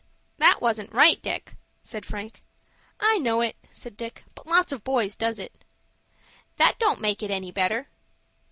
"That wasn't right, Dick," said Frank. "I know it," said Dick; "but lots of boys does it." "That don't make it any better."